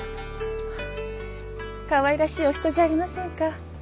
かわいらしいお人じゃありませんか。